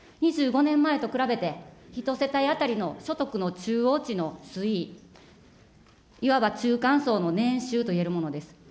２５年前と比べて、１世帯当たりの所得の中央値の推移、いわば中間層の年収と言えるものです。